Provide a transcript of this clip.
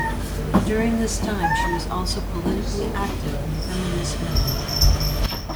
During this time she was also politically active in the feminist movement.